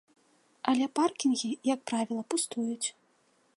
Але паркінгі, як правіла, пустуюць.